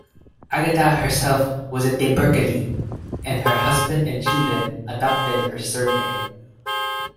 Agatha, herself was a 'de Berkley' and her husband and children adopted her surname.